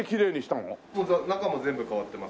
もう中も全部変わってます。